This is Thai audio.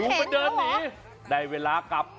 มันเดินหนีได้เวลากลับ